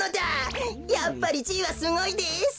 やっぱりじいはすごいです！